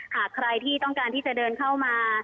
หากใครที่ต้องการที่จะเดินเข้ามา